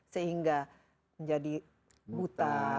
sehingga menjadi buta